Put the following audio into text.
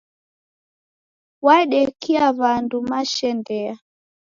Wadekia w'andu mashendea?